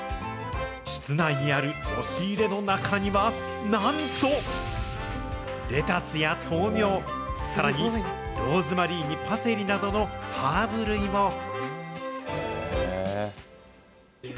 室内にある押し入れの中には、なんと、レタスや豆苗、さらにローズマリーに、パセリなどのハーブ類も。